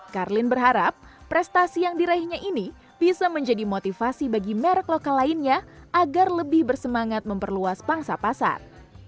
karlin berharap prestasi yang diraihnya ini bisa menjadi motivasi bagi merek lokal lainnya agar lebih bersemangat memperluas pangsa pasar